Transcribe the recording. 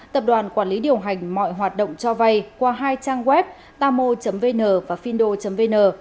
tập đoàn quản lý điều hành mọi hoạt động cho vay qua hai trang web tamo vn và findo vn